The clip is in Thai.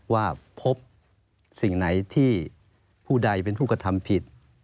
ว่าพบสิ่งไหนที่ผู้ใดเป็นผู้กระทำผิด